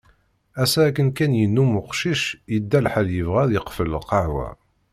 Ass-a akken kan yennum uqcic, yedda lḥal yebɣa ad iqfel lqahwa.